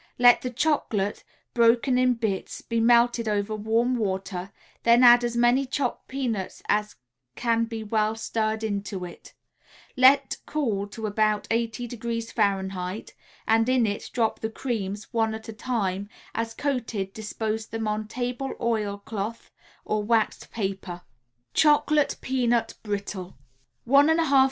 Let the chocolate, broken in bits, be melted over warm water, then add as many chopped peanuts as can be well stirred into it; let cool to about 80° F. and in it drop the creams, one at a time; as coated dispose them on table oil cloth or waxed paper. CHOCOLATE PEANUT BRITTLE [Illustration: CHOCOLATE PEANUT BRITTLE.